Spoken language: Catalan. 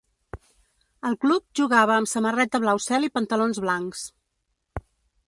El club jugava amb samarreta blau cel i pantalons blancs.